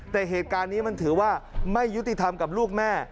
แต่เหตุการณ์นี้มันถือว่าไม่ยุติธรรมกับลูกแม่